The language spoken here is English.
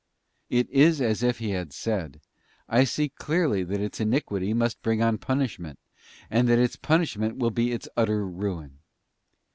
f It is as if he had said, I see clearly that its iniquity must bring on punishment, and that its punishment will be its utter ruin.